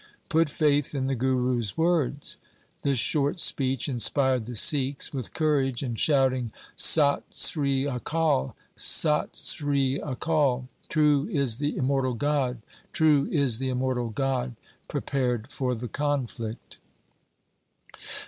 Put faith in the Guru's words.' This short speech inspired the Sikhs with courage, and shouting ' Sat Sri Akal ! Sat Sri Akal !'— True is the immortal God, true is the immortal God — prepared for the conflict.